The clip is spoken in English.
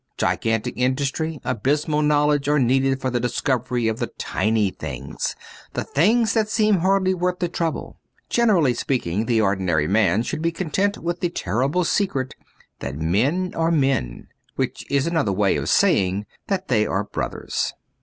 Gigantic industry, abysmal knowledge are needed for the discovery of the tiny things — the things that seem hardly worth the trouble. Generally speaking, the ordinary man should be content with the terrible secret that men are men — which is another way of saying that they are brothers.